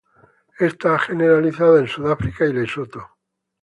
Está generalizada en Sudáfrica y Lesoto.